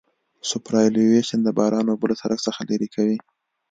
سوپرایلیویشن د باران اوبه له سرک څخه لرې کوي